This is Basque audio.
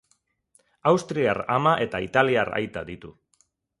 Austriar ama eta italiar aita ditu.